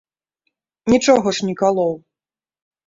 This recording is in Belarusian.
Нічога ж не калоў.